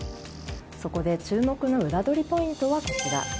そこで注目のウラどりポイントはこちら。